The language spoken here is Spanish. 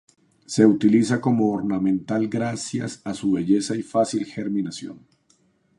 Se utiliza como ornamental gracias a su belleza y fácil germinación.